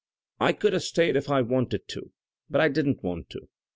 I could a stayed if I wanted to, but I didn't want to.